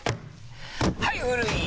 はい古い！